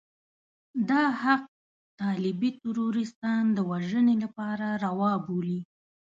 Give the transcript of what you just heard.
دا حق طالبي تروريستان د وژنې لپاره روا بولي.